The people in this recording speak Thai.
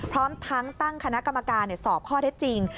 พร้อมทั้งตั้งคณะกรรมการสอบข้อเท็จจริง